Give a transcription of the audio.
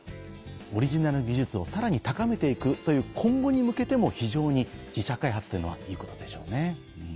オリジナル技術をさらに高めていくという今後に向けても非常に自社開発というのはいいことでしょうね。